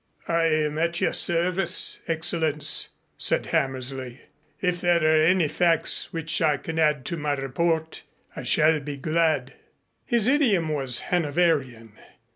"I am at your service, Excellenz," said Hammersley. "If there are any facts which I can add to my report I shall be glad." His idiom was Hanoverian.